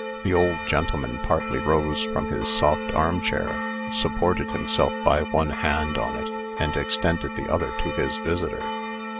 The old gentleman partly rose from his soft armchair, supported himself by one hand on it, and extended the other to his visitor.